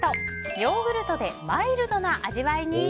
ヨーグルトでマイルドな味わいに！